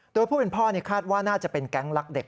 โดยผู้เป็นพ่อคาดว่าน่าจะเป็นแก๊งลักเด็ก